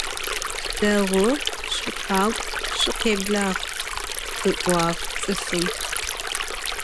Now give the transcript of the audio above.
Değu, şsukhak'u, şsukhêblağ, – ı'uağ ts'ıfım.